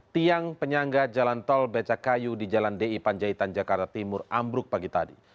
tiang penyangga jalan tol becakayu di jalan di panjaitan jakarta timur ambruk pagi tadi